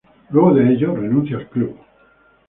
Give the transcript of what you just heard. Luego de ello renuncia al club.